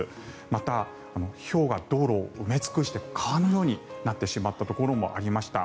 またひょうが道路を埋め尽くして川のようになってしまったところもありました。